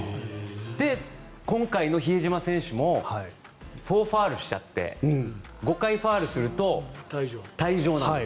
今回の比江島選手も４ファウルしちゃって５回ファウルすると退場なんです。